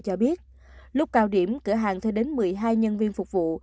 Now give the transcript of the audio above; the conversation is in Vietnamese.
cho biết lúc cao điểm cửa hàng thuê đến một mươi hai nhân viên phục vụ